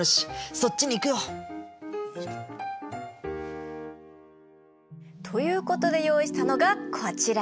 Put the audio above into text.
そっちに行くよ。ということで用意したのがこちら。